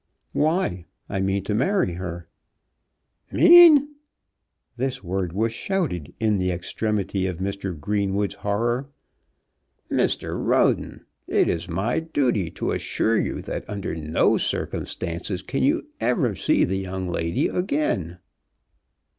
"Why? I mean to marry her." "Mean!" this word was shouted in the extremity of Mr. Greenwood's horror. "Mr. Roden, it is my duty to assure you that under no circumstances can you ever see the young lady again."